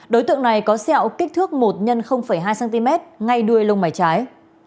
đối tượng này có xẹo kích thước một x hai cm ngay đuôi lông mải trái